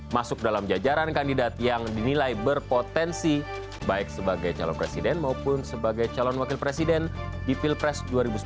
masuk dalam jajaran kandidat yang dinilai berpotensi baik sebagai calon presiden maupun sebagai calon wakil presiden di pilpres dua ribu sembilan belas